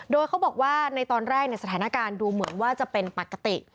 โดยเขาบอกว่าในตอนแรกสถานการณ์ดูเหมือนว่าจะเป็นปกติ